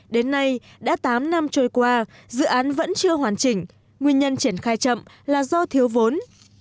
đến nay đã tám năm trôi qua dự án vẫn chưa hoàn chỉnh nguyên nhân triển khai chậm là do thiếu vốn